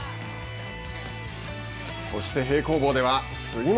そして平行棒では、杉本。